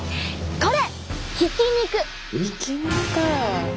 これ。